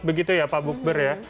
begitu ya pak bu kbr ya